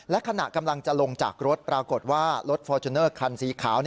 และขณะกำลังจะลงจากรถปรากฏว่ารถฟอร์จูเนอร์คันสีขาว